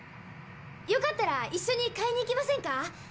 よかったら一緒に買いに行きませんか？